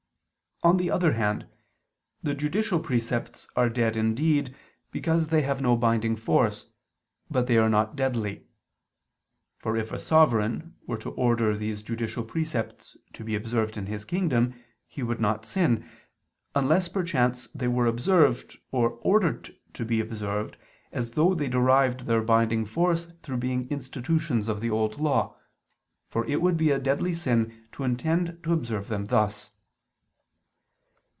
On the other hand, the judicial precepts are dead indeed, because they have no binding force: but they are not deadly. For if a sovereign were to order these judicial precepts to be observed in his kingdom, he would not sin: unless perchance they were observed, or ordered to be observed, as though they derived their binding force through being institutions of the Old Law: for it would be a deadly sin to intend to observe them thus.